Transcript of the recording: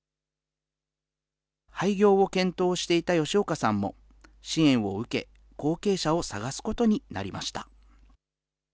廃業を検討していた吉岡さんも、支援を受け、後継者を探すことになりました。